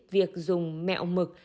việc dùng mẹo mực